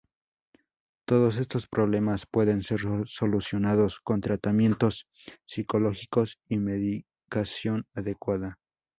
Todos estos problemas pueden ser solucionados con tratamientos psicológicos y medicación adecuada.